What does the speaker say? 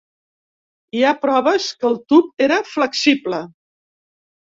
Hi ha proves que el tub era flexible.